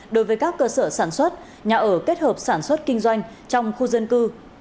đối với các cơ sở sản xuất nhà ở kết hợp sản xuất kinh doanh trong khu dân cư